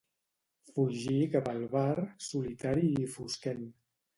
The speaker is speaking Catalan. Fugí cap al bar, solitari i fosquent.